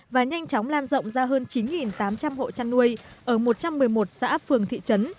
và nhanh chóng lan rộng ra hơn chín tám trăm linh hộ chăn nuôi ở một trăm một mươi một xã phường thị trấn